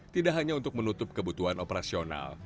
tidak hanya untuk menutup kebutuhan operasional